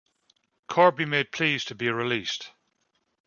Corby made pleas to be released.